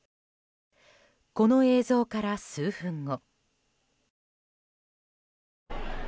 この映像から数分後。